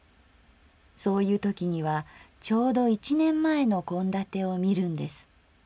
そういうときにはちょうど一年前の献立を見るんです。